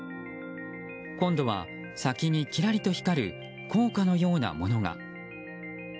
今度は、先にきらりと光る硬貨のようなものが。